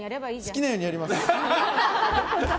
好きなようにやります。